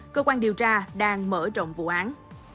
cơ quan điều tra đang mở rộng vụ án